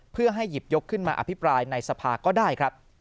เพื่อให้หยิบยกขึ้นมาอภิปรายในสภาก็ได้ครับ